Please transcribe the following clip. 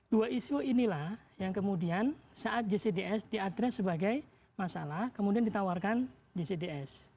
dua isu inilah yang kemudian saat jcds diadres sebagai masalah kemudian ditawarkan gcds